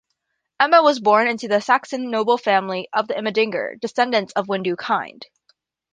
Emma was born into the Saxon noble family of the Immedinger, descendants of Widukind.